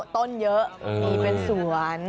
ต้นเยอะมีเป็นสวน